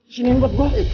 sini buat gua